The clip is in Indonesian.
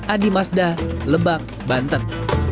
adi masda lebak banten